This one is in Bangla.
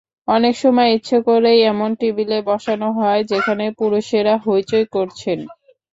অনেক সময় ইচ্ছে করেই এমন টেবিলে বসানো হয়, যেখানে পুরুষেরা হইচই করছেন।